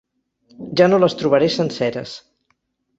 Ja no les trobaré senceres.